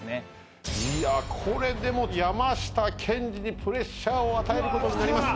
いやこれでも山下健二にプレッシャーを与えることになります。